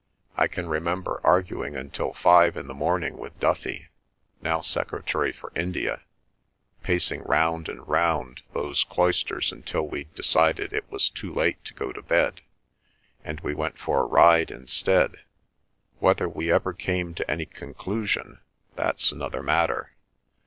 I can remember arguing until five in the morning with Duffy—now Secretary for India—pacing round and round those cloisters until we decided it was too late to go to bed, and we went for a ride instead. Whether we ever came to any conclusion—that's another matter.